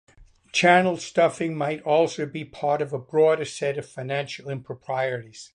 Channel stuffing might also be part of a broader set of financial improprieties.